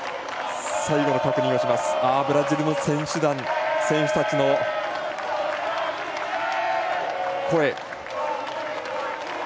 ブラジルの選手団選手たちの声。